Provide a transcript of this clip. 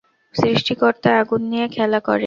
সৃষ্টিকর্তা আগুন নিয়ে খেলা করে।